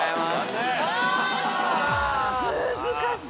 難しい。